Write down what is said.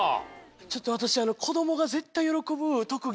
ちょっと私。